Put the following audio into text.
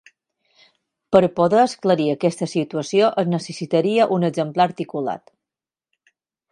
Per poder esclarir aquesta situació es necessitaria un exemplar articulat.